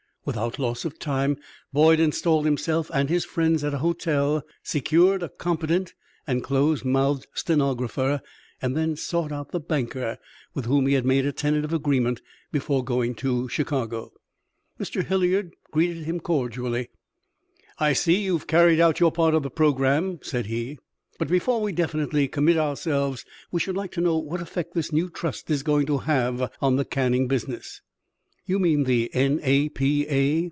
Without loss of time Boyd installed himself and his friends at a hotel, secured a competent and close mouthed stenographer, and then sought out the banker with whom he had made a tentative agreement before going to Chicago. Mr. Hilliard greeted him cordially. "I see you have carried out your part of the programme," said he; "but before we definitely commit ourselves, we should like to know what effect this new trust is going to have on the canning business." "You mean the N. A. P. A.?"